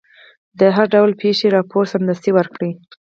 د هر ډول پېښې راپور سمدستي ورکړئ.